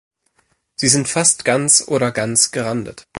Sie sind fast ganz oder ganz gerandet.